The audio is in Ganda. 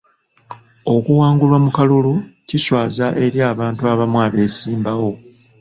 Okuwangulwa mu kalulu kiswaza eri abantu abamu abeesimbawo.